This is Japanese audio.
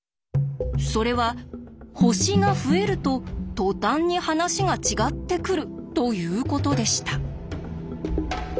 それは星が増えると途端に話が違ってくるということでした。